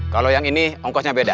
kalau yang ini ongkosnya beda